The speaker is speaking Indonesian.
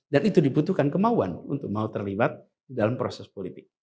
dan itu dibutuhkan kemauan untuk mau terlibat dalam proses politik